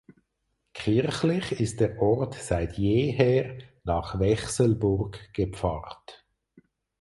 Kirchlich ist der Ort seit jeher nach Wechselburg gepfarrt.